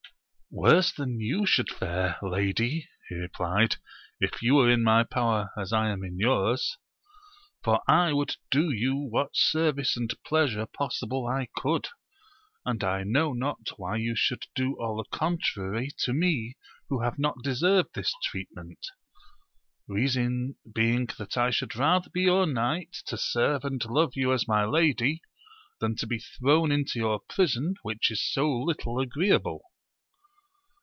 Worse than you should fare, lady, he replied, if you were in my power as I am in yours ; for I would do you what service and pleasure possible I could, and I know not why you should do all the con trary to me who have not deserved this treatment ; reason being that I should rather be your knight to serve and love you as my lady, than to be thrown into your prison which is so little agreeable.